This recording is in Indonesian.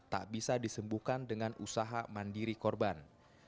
tak bisa disembuhkan dengan usaha mandiri korban